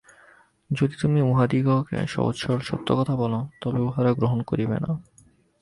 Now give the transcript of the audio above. যদি তুমি উহাদিগকে সহজ সরল সত্য কথা বলো, তবে উহারা গ্রহণ করিবে না।